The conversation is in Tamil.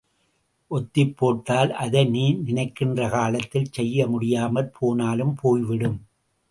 ஒத்திப்போட்டால் அதை நீ நினைக்கின்ற காலத்தில் செய்ய முடியாமற் போனாலும் போய்விடும்.